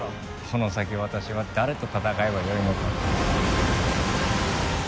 この先、私は誰と戦えばよいのだ。